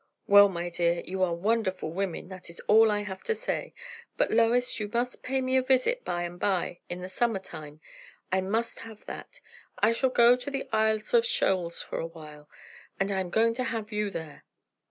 "Well, my dear, you are wonderful women; that is all I have to say. But, Lois, you must pay me a visit by and by in the summer time; I must have that; I shall go to the Isles of Shoals for a while, and I am going to have you there."